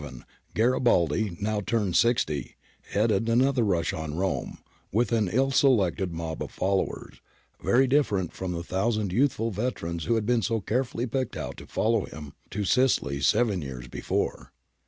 In the autumn of 1867 Garibaldi, now turned sixty, headed another rush on Rome, with an ill selected mob of followers, very different from the thousand youth ful veterans who had been so carefully picked out to follow him to Sicily seven years before.